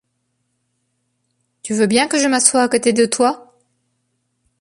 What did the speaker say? Tu veux bien que je m’assoie à côté de toi ?